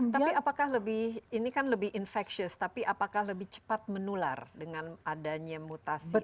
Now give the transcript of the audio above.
tapi apakah lebih ini kan lebih infectious tapi apakah lebih cepat menular dengan adanya mutasi